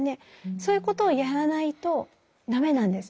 そういうことをやらないと駄目なんです。